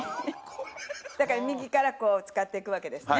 だから右からこう使っていくわけですね。